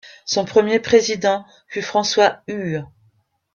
Son premier Président fut François Hüe.